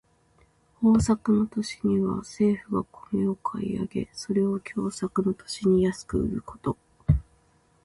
豊作の年には政府が米を買い上げ、それを凶作の年に安く売ること。